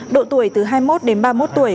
độ tuổi từ hai mươi một đến ba mươi một tuổi